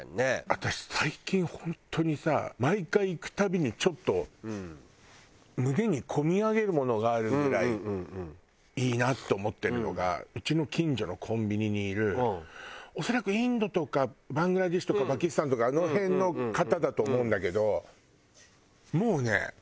私最近本当にさ毎回行くたびにちょっと胸に込み上げるものがあるぐらいいいなって思ってるのがうちの近所のコンビニにいる恐らくインドとかバングラデシュとかパキスタンとかあの辺の方だと思うんだけどもうね